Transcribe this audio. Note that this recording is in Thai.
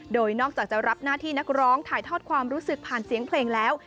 โดยนอกจากจะรับหน้าที่นักร้องถ่ายทอดความรู้สึกผ่านเสียงเพลงแล้ว